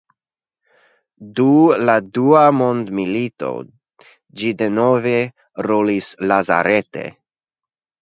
Du la Dua mondmilito ĝi denove rolis lazarete.